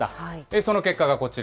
その結果がこちら。